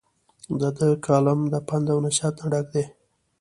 د دۀ کالم د پند او نصيحت نه ډک دے ۔